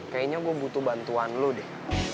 kayaknya gue butuh bantuan lo deh